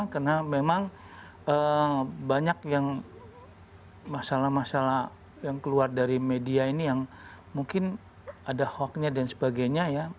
karena memang banyak yang masalah masalah yang keluar dari media ini yang mungkin ada hoaxnya dan sebagainya ya